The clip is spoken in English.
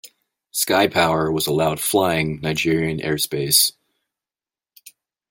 Skypower was allowed flying Nigerian airspace.